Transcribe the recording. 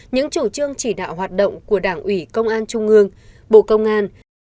những chủ trương chỉ đạo hoạt động của đảng ủy công an trung ương bộ công an